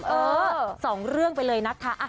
เออสองเรื่องไปเลยนะคะ